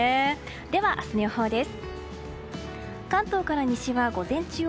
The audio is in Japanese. では、明日の予報です。